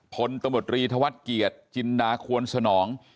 พลตมตรีธวัตเกียจจินดาควรสนอง